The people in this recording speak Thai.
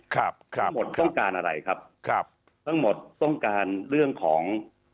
ครับทั้งหมดต้องการอะไรครับครับทั้งหมดต้องการเรื่องของ